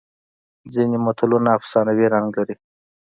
ځینې متلونه افسانوي رنګ لري